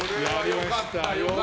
良かった。